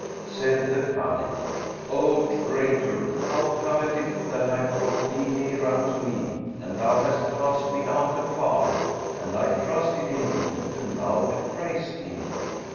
Said the Caliph, "O traitor, how cometh it that I brought thee near unto me and thou hast cast me out afar, and I trusted in thee and thou betrayest me?"